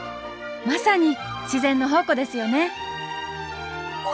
まさに自然の宝庫ですよね。